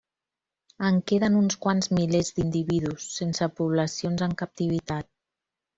En queden uns quants milers d'individus, sense poblacions en captivitat.